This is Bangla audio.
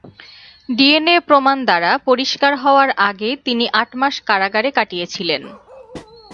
ডিএনএ প্রমাণ দ্বারা পরিষ্কার হওয়ার আগে তিনি আট মাস কারাগারে কাটিয়েছিলেন।